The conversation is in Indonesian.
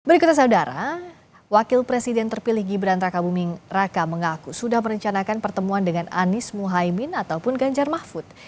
berikutnya saudara wakil presiden terpilih gibran raka buming raka mengaku sudah merencanakan pertemuan dengan anies muhaymin ataupun ganjar mahfud